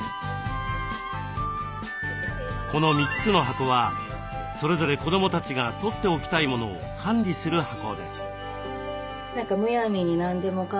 この３つの箱はそれぞれ子どもたちがとっておきたいモノを管理する箱です。